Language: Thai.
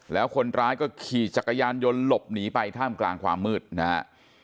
แล้วคนร้ายก็ขี่จักรยานยนต์หลบหนีไปท่ามกลางความมืดนะฮะ